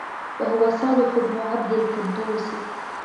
وَهُوَ صَالِحُ بْنُ عَبْدِ الْقُدُّوسِ